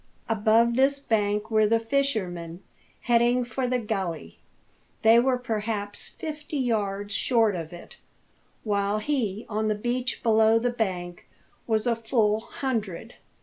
Above this bank were the fishermen, heading for the gully. They were perhaps fifty yards short of it, while he, on the beach below the bank, was a full hundred.